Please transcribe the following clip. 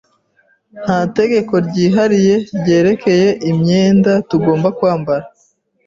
Nta tegeko ryihariye ryerekeye imyenda tugomba kwambara.